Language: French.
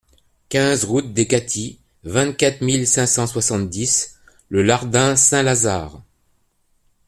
quinze route des Caties, vingt-quatre mille cinq cent soixante-dix Le Lardin-Saint-Lazare